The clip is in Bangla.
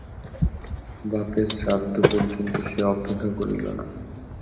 বাপের শ্রাদ্ধ পর্যন্ত সে অপেক্ষা করিল না!